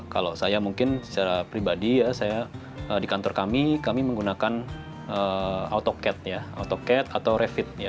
kalau saya mungkin secara pribadi di kantor kami kami menggunakan autocad atau revit